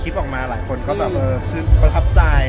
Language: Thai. คลิปขึ้นแล้วหลักคนพัทบใจ